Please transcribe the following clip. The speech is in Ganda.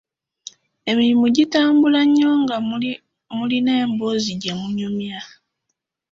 Emirimu gitambula nnyo nga mulinawo emboozi gye munyumya.